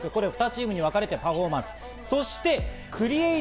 ２チームにわかれてパフォーマンス。